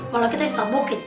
kalau kita yang sabokin